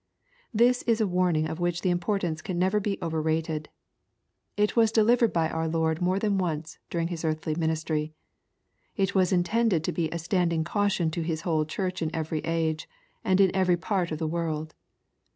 This is a warning of which the importance can never be overrated. It was delivered by our Lord more than once, during His earthly ministry. It was intended to be a standing caution to His whole church in every age, and in every part of the world.